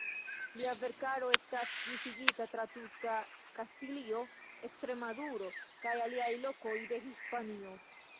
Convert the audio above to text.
Lia verkaro estas disigita tra tuta Kastilio, Ekstremaduro kaj aliaj lokoj de Hispanio.